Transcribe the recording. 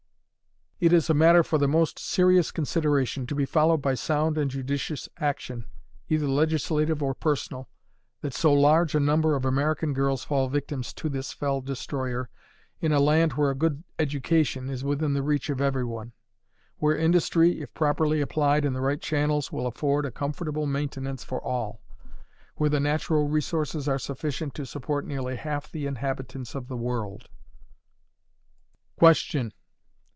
It is a matter for the most serious consideration, to be followed by sound and judicious action, either legislative or personal, that so large a number of American girls fall victims to this fell destroyer in a land where a good education is within the reach of every one; where industry, if properly applied in the right channels, will afford a comfortable maintenance for all; where the natural resources are sufficient to support nearly half the inhabitants of the world. _Question.